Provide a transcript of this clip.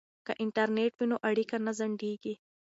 که انټرنیټ وي نو اړیکه نه ځنډیږي.